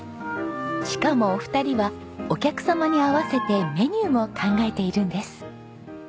しかもお二人はお客様に合わせてメニューも考えているんです。